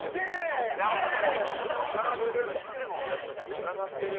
つながってる！